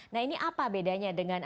nah ini apa bedanya dengan